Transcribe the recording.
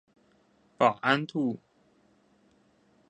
保安路